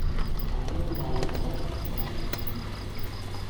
حمله به معلمها، معلم کوبی